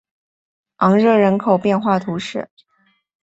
昂热人口变化图示